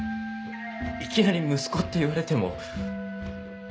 いきなり息子って言われても。